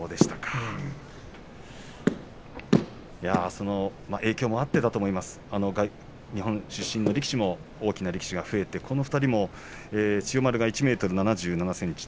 その影響もあってだと思いますが日本出身の力士も大きな力士が増えてこの２人も千代丸で１ｍ７７ｃｍ１７２ｋｇ。